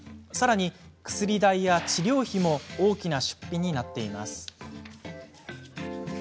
さらに、薬代や治療費も大きな出費になっています。